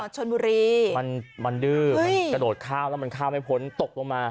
ชนบุรีมันดื้อมันกระโดดข้าวแล้วมันข้ามไม่พ้นตกลงมา